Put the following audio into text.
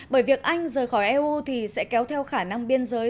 bởi việc anh rời khỏi eu thì sẽ kéo theo khả năng biên giới